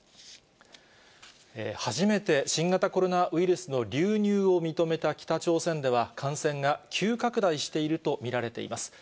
初めて新型コロナウイルスの流入を認めた北朝鮮では、感染が急拡大していると見られています。